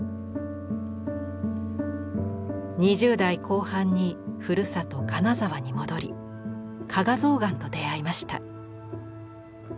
２０代後半にふるさと金沢に戻り加賀象嵌と出会いました。